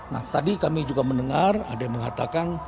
nah tadi kami juga mendengar ada yang mengatakan